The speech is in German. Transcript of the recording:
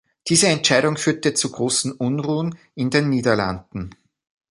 Diese Entscheidung führte zu großen Unruhen in den Niederlanden.